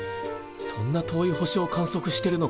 そんな遠い星を観測してるのか。